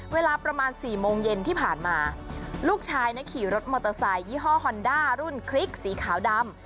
เวลาประมาณ๔โมงเย็นที่ผ่านมาลูกชายขี่รถมอเตอร์ไซค์ยี่ห้อฮอนด้ารุ่นคลิกสีขาวดำ